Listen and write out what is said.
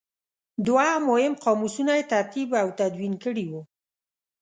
دوه مهم قاموسونه یې ترتیب او تدوین کړي وو.